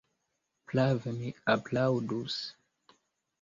Prave, mi aplaŭdus.